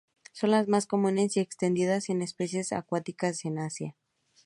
Son las más comunes y extendidas en especies acuáticas en Asia.